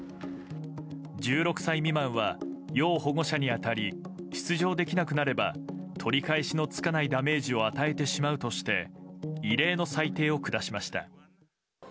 １６歳未満は要保護者に当たり出場できなくなれば取り返しのつかないダメージを与えてしまうとして異例の裁定を下しました。